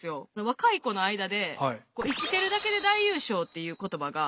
若い子の間で「生きてるだけで大優勝」っていう言葉が。